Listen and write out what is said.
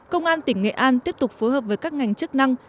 công an tỉnh nghệ an tiếp tục phối hợp với các ngành chức năng